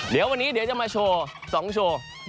เดี๋ยววันนี้เดี๋ยวจะมาโชว์๒โชว์